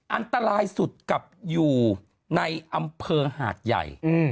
อันตรายสุดกับอยู่ในอำเภอหาดใหญ่